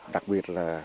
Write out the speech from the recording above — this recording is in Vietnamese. đặc biệt là